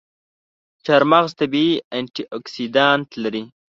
چارمغز طبیعي انټياکسیدان لري.